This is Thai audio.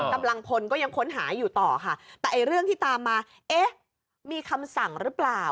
กำลังพลก็ยังค้นหาอยู่ต่อค่ะแต่ไอ้เรื่องที่ตามมาเอ๊ะมีคำสั่งหรือเปล่า